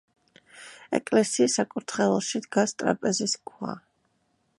ეკლესიის საკურთხეველში დგას ტრაპეზის ქვა.